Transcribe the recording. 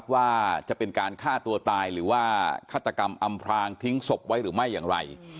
ว่าจะเป็นการฆ่าตัวตายหรือว่าฆาตกรรมอำพรางทิ้งศพไว้หรือไม่อย่างไร